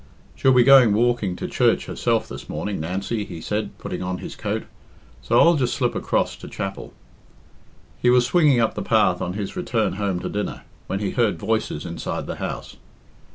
"She'll be going walking to church herself this morning, Nancy," he said, putting on his coat, "so I'll just slip across to chapel." He was swinging up the path on his return home to dinner, when he heard voices inside the house.